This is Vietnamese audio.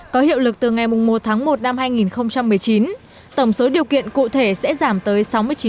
có hiệu lực từ ngày một tháng một năm hai nghìn một mươi chín tổng số điều kiện cụ thể sẽ giảm tới sáu mươi chín